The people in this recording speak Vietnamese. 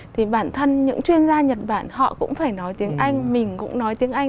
thì bản thân những chuyên gia nhật bản họ cũng phải nói tiếng anh mình cũng nói tiếng anh